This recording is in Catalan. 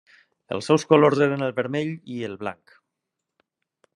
Els seus colors eren el vermell i el blanc.